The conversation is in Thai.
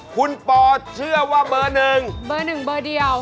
คุณปอเชื่อว่าเบอร์๑เบอร์๑เบอร์เดียว